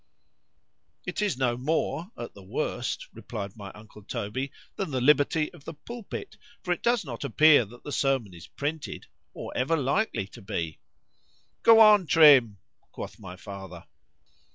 It is no more at the worst, replied my uncle Toby, than the liberty of the pulpit; for it does not appear that the sermon is printed, or ever likely to be. Go on, Trim, quoth my father.